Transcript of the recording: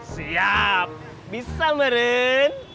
siap bisa meren